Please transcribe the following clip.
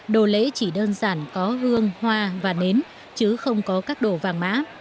đồ lễ chỉ đơn giản có hương hoa và nến chứ không có các đồ vàng mã